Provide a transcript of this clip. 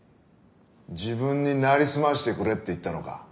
自分になりすましてくれって言ったのか。